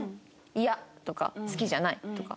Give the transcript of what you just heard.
「嫌」とか「好きじゃない」とか。